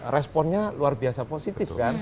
responnya luar biasa positif